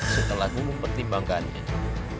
setelah gue mempertimbangkannya